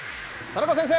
田中先生！